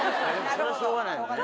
それはしょうがないよね。